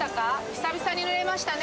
久々に濡れましたね